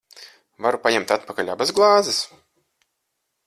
Varu paņemt atpakaļ abas glāzes?